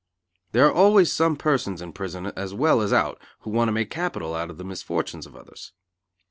There are always some persons in prison as well as out who want to make capital out of the misfortunes of others.